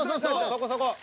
そこそこ。